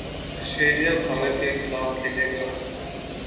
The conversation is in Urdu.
آسٹریلیا بھارت کے خلاف کھیلے گا